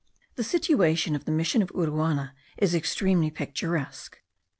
The situation of the mission of Uruana is extremely picturesque.